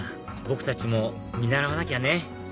僕たちも見習わなきゃね